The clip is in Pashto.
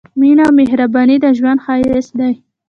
مينه او مهرباني د ژوند ښايست دی